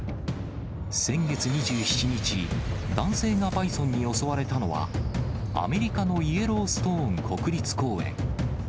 先月２７日、男性がバイソンに襲われたのは、アメリカのイエローストーン国立公園。